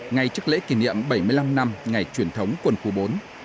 ngay trước lễ kỷ niệm bảy mươi năm năm ngày truyền thống quân khu bốn